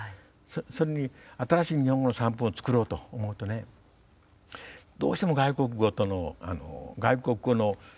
それに新しい日本語の散文を作ろうと思うとねどうしても外国語との外国語の音の響きも翻訳の中に生かす。